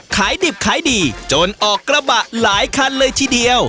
ขายดิบขายดีจนออกกระบะหลายคันเลยทีเดียว